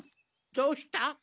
どうした？